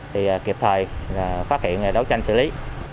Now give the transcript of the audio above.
thì kịp thời phát hiện đấu tranh xử lý